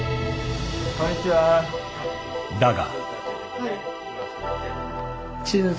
だが。